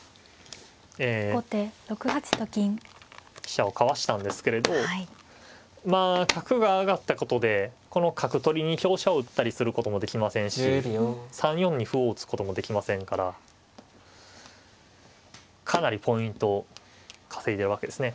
飛車をかわしたんですけれど角が上がったことでこの角取りに香車を打ったりすることもできませんし３四に歩を打つこともできませんからかなりポイントを稼いでるわけですね。